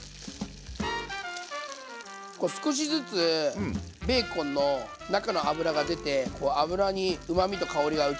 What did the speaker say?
こう少しずつベーコンの中の脂が出て油にうまみと香りが移ってきてるんで。